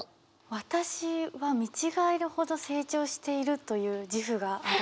私は見違えるほど成長しているという自負がある。